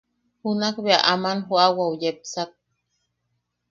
Junak bea aman joʼawau yepsak.